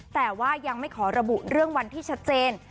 แต่ว่ายังไม่ขอระบุเรื่องวันที่ชัดเจน